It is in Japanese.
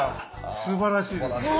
すばらしいです。